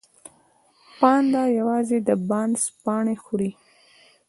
پاندا یوازې د بانس پاڼې خوري